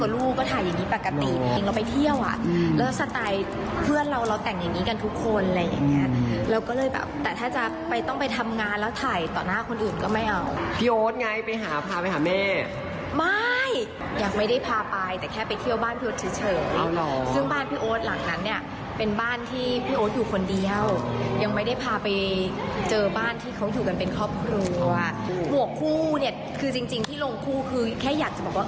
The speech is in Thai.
ในบ้านที่เขาอยู่กันเป็นครอบครัวหมวกคู่เนี่ยคือจริงที่ลงคู่คือแค่อยากจะบอกว่า